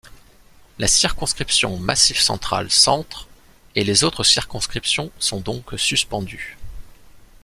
La circonscription Massif central-Centre et les autres circonscriptions sont donc suspendues.